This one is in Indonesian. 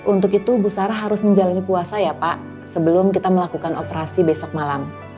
untuk itu bu sarah harus menjalani puasa ya pak sebelum kita melakukan operasi besok malam